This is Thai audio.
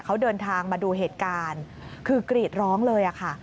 เขาเดินทางมาดูเหตุการณ์คือกรีดร้องเลยค่ะ